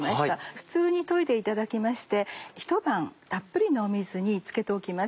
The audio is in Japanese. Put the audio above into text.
普通にといでいただきましてひと晩たっぷりの水につけておきます。